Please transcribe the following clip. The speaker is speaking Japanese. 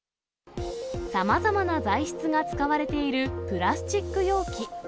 さまざまな材質が使われているプラスチック容器。